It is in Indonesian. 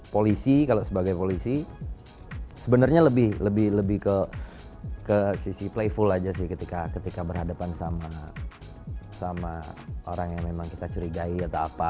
polisi kalau sebagai polisi sebenarnya lebih ke sisi playful aja sih ketika berhadapan sama orang yang memang kita curigai atau apa